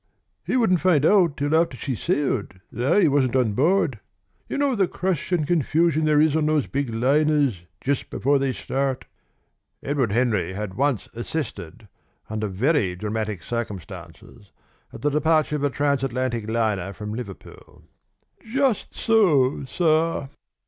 He wouldn't find out till after she sailed that I wasn't on board. You know the crush and confusion there is on those big liners just before they start." Edward Henry had once assisted, under very dramatic circumstances, at the departure of a transatlantic liner from Liverpool. "Just so, sir!"